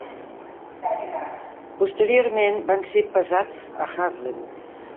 Posteriorment van ser pesats a Harlem.